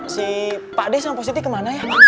si pak d sama pak siti kemana ya